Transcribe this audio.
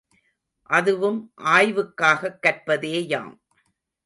அதுவும் ஆய்வுக்காகக் கற்பதேயாம்.